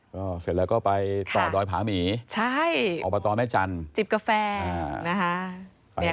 ก็เสร็จแล้วก็ไปต่อดอยผาหมีใช่อบตแม่จันทร์จิบกาแฟนะคะ